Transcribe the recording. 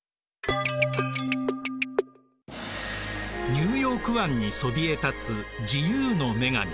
ニューヨーク湾にそびえ立つ自由の女神。